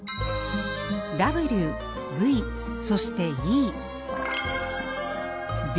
「Ｗ」「Ｖ」そして「Ｅ」。